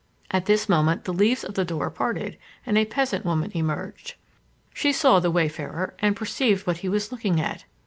At this moment the leaves of the door parted, and a peasant woman emerged. She saw the wayfarer, and perceived what he was looking at.